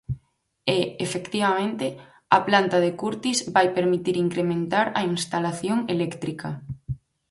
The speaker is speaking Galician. E, efectivamente, a planta de Curtis vai permitir incrementar a instalación eléctrica.